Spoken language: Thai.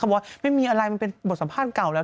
บอกว่าไม่มีอะไรมันเป็นบทสัมภาษณ์เก่าแล้ว